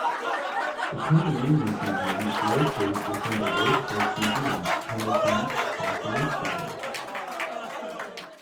The Cameronians Museum is located within the Low Parks Museum, Hamilton, South Lanarkshire.